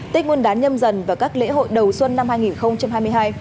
tết nguyên đán nhâm dần và các lễ hội đầu xuân năm hai nghìn hai mươi hai